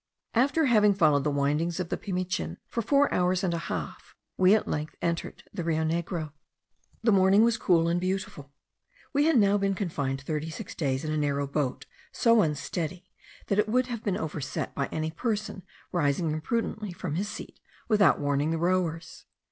After having followed the windings of the Pimichin for four hours and a half we at length entered the Rio Negro. The morning was cool and beautiful. We had now been confined thirty six days in a narrow boat, so unsteady that it would have been overset by any person rising imprudently from his seat, without warning the rowers.